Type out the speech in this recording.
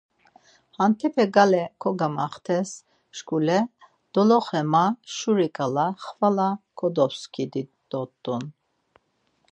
Hentepe gale kogamaxtes şkule, doloxe ma, Şuri ǩala xvala kodobskidit dort̆un.